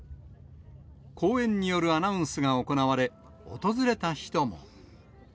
公園によるアナウンスが行われ、訪れた人も。